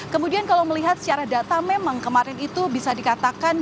kemudian kalau melihat secara data memang kemarin itu bisa dikatakan